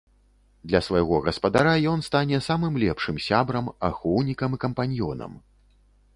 Для свайго гаспадара ён стане самым лепшым сябрам, ахоўнікам і кампаньёнам!